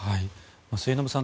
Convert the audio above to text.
末延さん